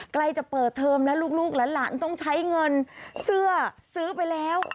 ใกล้จะเปิดเทอมแล้วลูกหลานต้องใช้เงินเสื้อซื้อไปแล้ว